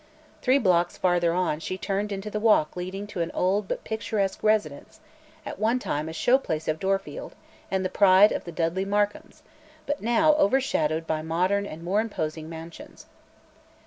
Three blocks farther on she turned into the walk leading to an old but picturesque residence, at one time a "show place" of Dorfield and the pride of the Dudley Markhams, but now overshadowed by modern and more imposing mansions.